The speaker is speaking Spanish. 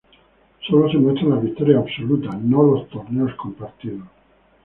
Solo se muestran las victorias absolutas, no los torneos compartidos.